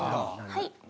はい。